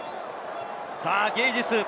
ゲージス。